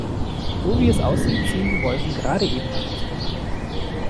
So, wie es aussieht, ziehen die Wolken gerade eben an uns vorbei.